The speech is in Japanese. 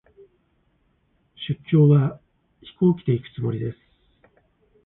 出張は、飛行機で行くつもりです。